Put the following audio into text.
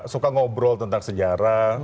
suka ngobrol tentang sejarah